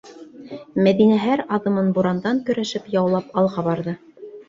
- Мәҙинә һәр аҙымын бурандан көрәшеп яулап алға барҙы.